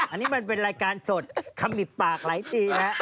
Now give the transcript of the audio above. อันนี้มันเป็นรายการสดขมิบปากหลายทีฮะ